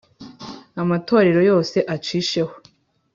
Amatorero yose acisheho